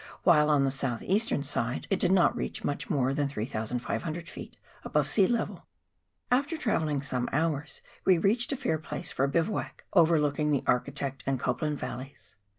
while on the south eastern side it did not reach more than 3,500 ft. above sea level. After travelling some hours we reached a fair place for a bivouac, overlooking the Architect and Copland Y alleys.